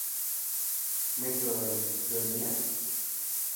ไม่เกิน เดือนเนี้ย